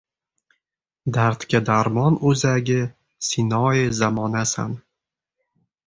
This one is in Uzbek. Dardga darmon oʼzagi – Sinoi zamonasan.